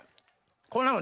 こんなの。